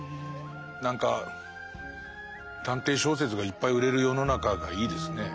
何か探偵小説がいっぱい売れる世の中がいいですね。